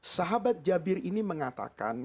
sahabat jabir ini mengatakan